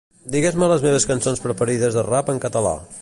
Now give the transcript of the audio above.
Digues-me les meves cançons preferides de rap en català.